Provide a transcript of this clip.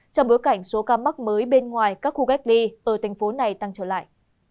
trong bối cảnh số ca mắc mới bên ngoài các khu cách ly ở thành phố này tăng trở lại